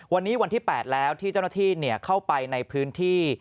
วันนี้วันที่๘แล้วที่เจ้าหน้าที่เข้าไปในพื้นที่